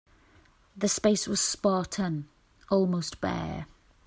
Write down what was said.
The space was spartan, almost bare.